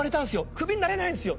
クビになれないんですよ！